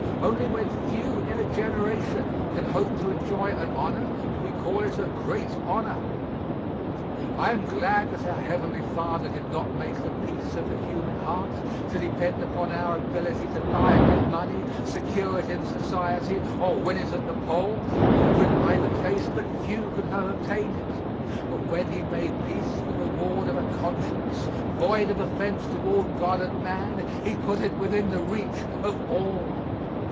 Only when few in a generation can hope to enjoy an honor do we call it a great honor. I am glad that our Heavenly Father did not make the peace of the human heart to depend upon our ability to buy it with money, secure it in society, or win it at the polls, for in either case but few could have obtained it, but when He made peace the reward of a conscience void of offense toward God and man, He put it within the reach of all.